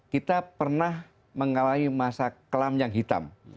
kita pernah mengalami masa kelam yang hitam